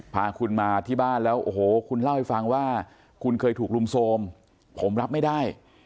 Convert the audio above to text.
พาคุณมาที่บ้านแล้วโอ้โหคุณเล่าให้ฟังว่าคุณเคยถูกรุมโทรมผมรับไม่ได้